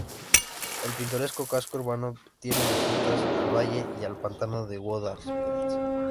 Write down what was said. El pintoresco casco urbano, tiene vistas al valle y al pantano de Guadalest.